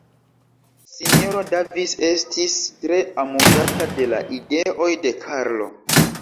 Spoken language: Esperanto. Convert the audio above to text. S-ro Davis estis tre amuzata de la ideoj de Karlo.